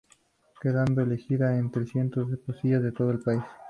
Quedando elegida entre cientos de poesías de todo el país.